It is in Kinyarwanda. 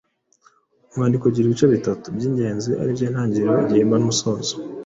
Umwandiko ugira ibice bitatu by’ingenzi ari byo intangiriro, igihimba n’umusozo.